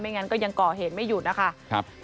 ไม่งั้นยังเปรอะเหตุไม่หยุดนะคะ